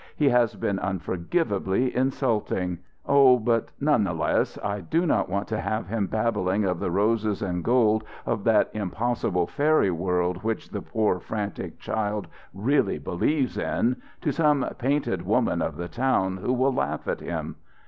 He has been unforgivably insulting Oh, but none the less, I do not want to have him babbling of the roses and gold of that impossible fairy world which the poor, frantic child really believes in, to some painted woman of the town who will laugh at him.